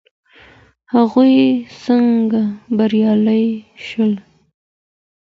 هغوی څنګه بریالي شول.